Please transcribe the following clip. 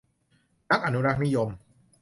นักอนุรักษ์นิยม